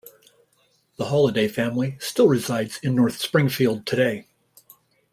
The Holliday family still resides in North Springfield today.